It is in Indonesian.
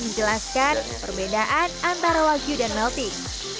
menjelaskan perbedaan antara wagyu dan melting